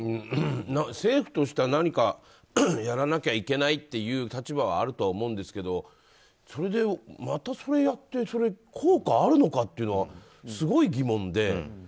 政府としては何かやらなきゃいけないっていう立場はあるとは思うんですがそれで、またそれをやって効果あるのかっていうのはすごい疑問で。